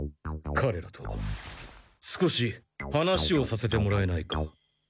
かれらと少し話をさせてもらえないか？